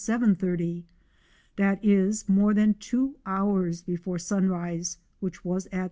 30, that is more than two hours before sunrise, which was at 7.